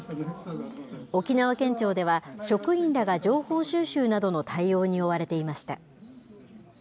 沖縄県庁では、職員らが情報収集などの対応に追われていました。